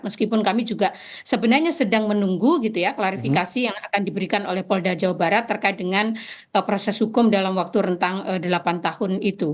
meskipun kami juga sebenarnya sedang menunggu gitu ya klarifikasi yang akan diberikan oleh polda jawa barat terkait dengan proses hukum dalam waktu rentang delapan tahun itu